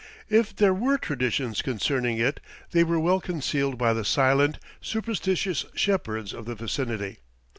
If there were traditions concerning it they were well concealed by the silent, superstitious shepherds of the vicinity.